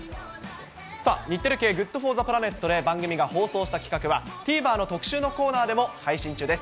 さあ、日テレ系ＧｏｏｄＦｏｒｔｈｅＰｌａｎｅｔで番組が放送した企画は、ＴＶｅｒの特集のコーナーでも配信中です。